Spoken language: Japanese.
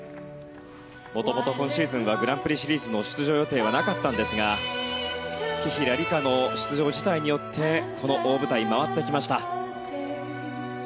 元々、今シーズンはグランプリシリーズの出場予定はなかったんですが紀平梨花の出場辞退によってこの大舞台、回ってきました。